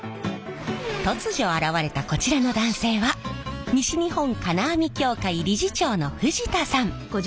突如現れたこちらの男性は西日本金網協会理事長の藤田さん。